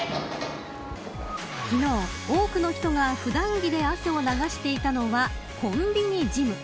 昨日、多くの人が普段着で汗を流していたのはコンビニジム。